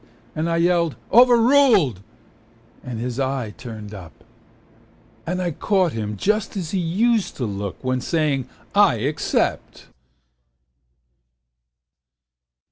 And I yelled "overruled" and his eye turned up. And I caught him just as he used to look When saying "I except."